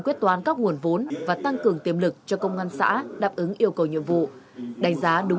quyết toán các nguồn vốn và tăng cường tiềm lực cho công an xã đáp ứng yêu cầu nhiệm vụ đánh giá đúng